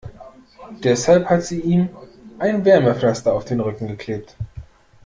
Deshalb hat sie ihm ein Wärmepflaster auf den Rücken geklebt.